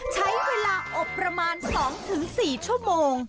ใช้เวลาอบประมาณ๒๔ชั่วโมง